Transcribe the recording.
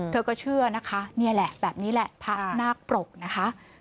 เธอก็เชื่อนะคะนี่แหละแบบนี้แหละพระนาคปรกนะคะ